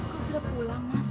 kau sudah pulang mas